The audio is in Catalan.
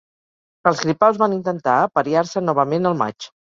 Els gripaus van intentar apariar-se novament al maig.